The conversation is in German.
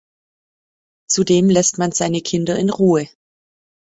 Zudem lässt man seine Kinder in Ruhe.